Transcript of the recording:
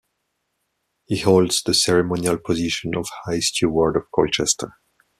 He holds the ceremonial position of High Steward of Colchester.